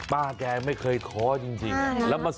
ป้าแกไม่เคยขอยิงใจไปช่วยแต่ก็คงให้ได้